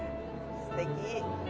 すてき。